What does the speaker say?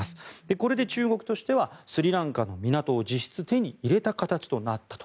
これで中国としてはスリランカの港を実質手に入れた形になったと。